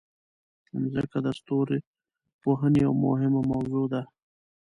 مځکه د ستورپوهنې یوه مهمه موضوع ده.